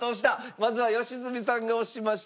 まずは良純さんが押しました。